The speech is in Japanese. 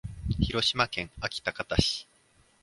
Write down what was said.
広島県安芸高田市